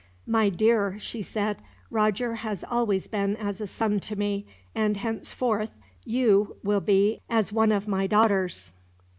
"My dear," she said, "Roger has always been as a son to me, and henceforth you will be as one of my daughters."